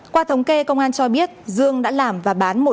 qua thống kê công an cho biết dương đã làm và bán một trăm năm mươi phiếu